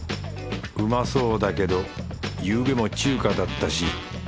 うまそうだけどゆうべも中華だったし。